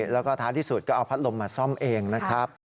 แล้วก็ท้ายที่สุดก็เอาพัดลมมาซ่อมเองนะครับ